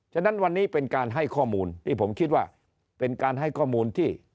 ฉะนั้นวันนี้เป็นการให้ข้อมูลที่ผมคิดว่าเป็นการให้ข้อมูลที่